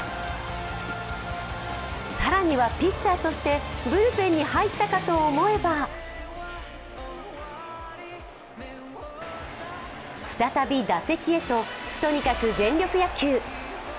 更にはピッチャーとしてブルペンに入ったかと思えば再び打席へと、とにかく全力野球。